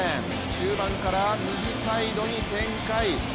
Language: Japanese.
中盤から右サイドに展開。